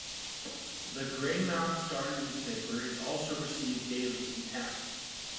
The Greymouth Star newspaper is also received daily in the town.